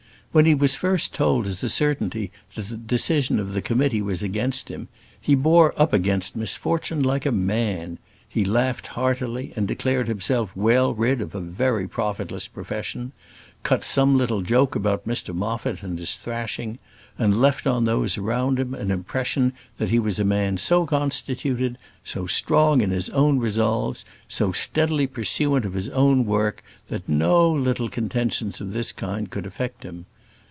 When he was first told as a certainty that the decision of the committee was against him, he bore up against the misfortune like a man. He laughed heartily, and declared himself well rid of a very profitless profession; cut some little joke about Mr Moffat and his thrashing, and left on those around him an impression that he was a man so constituted, so strong in his own resolves, so steadily pursuant of his own work, that no little contentions of this kind could affect him.